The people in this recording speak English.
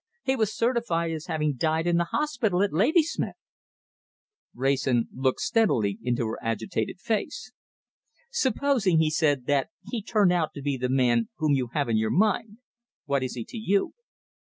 He was certified as having died in the hospital at Ladysmith!" Wrayson looked steadily into her agitated face. "Supposing," he said, "that he turned out to be the man whom you have in your mind, what is he to you?"